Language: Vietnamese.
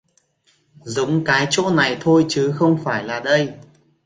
Giống cái chỗ này thôi chứ không phải là đây